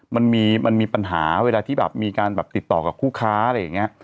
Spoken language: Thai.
มันมีปัญหาเวลาที่แบบมีการแบบติดต่อกับคู่ค้าอะไรอย่างนี้